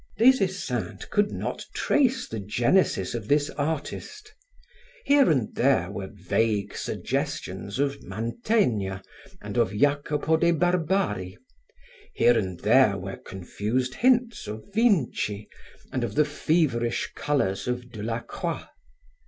Des Esseintes could not trace the genesis of this artist. Here and there were vague suggestions of Mantegna and of Jacopo de Barbari; here and there were confused hints of Vinci and of the feverish colors of Delacroix.